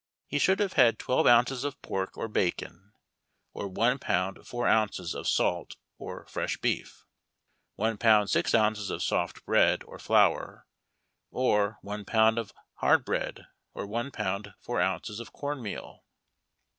He should have had twelve ounces of pork or bacon, or one pound four ounces of salt or fresh beef; one pound six ounces of soft bread or flour, or one pound of hard bread, or one pound four ounces of corn meal.